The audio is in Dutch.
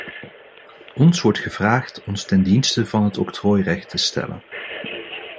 Ons wordt gevraagd ons ten dienste van het octrooirecht te stellen.